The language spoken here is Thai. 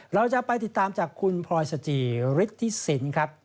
เราจะไปติดตามจากคุณพลอยสจีริติศิลป์ครับ